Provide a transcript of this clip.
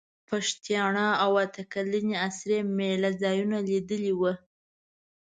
پښتیاڼا او اته کلنې اسرې مېله ځایونه لیدلي ول.